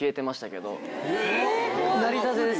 なりたてです